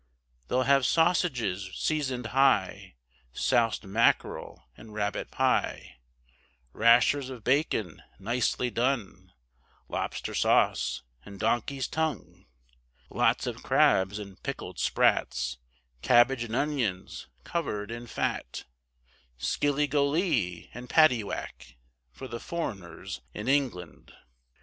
They'll have sausages seasoned high Soused mackerel and rabbit pie, Rashers of bacon nicely done, Lobster sauce and donkey's tongue, Lots of crabs and pickled sprats, Cabbage and onions covered in fat, Skillygolee and paddywhack, For the foreigners in England.